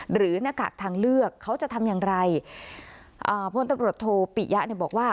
หน้ากากทางเลือกเขาจะทำอย่างไรอ่าพลตำรวจโทปิยะเนี่ยบอกว่า